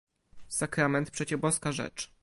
"Sakrament przecie Boska rzecz."